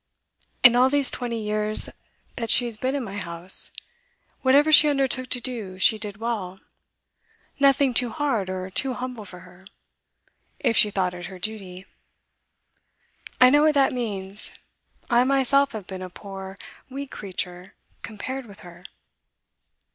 In all these twenty years that she has been in my house, whatever she undertook to do, she did well; nothing too hard or too humble for her, if she thought it her duty. I know what that means; I myself have been a poor, weak creature, compared with her.